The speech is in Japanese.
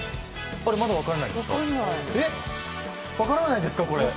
まだ分からないですか。